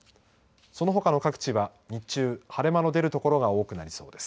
そのほかの各地は日中、晴れ間の出る所が多くなりそうです。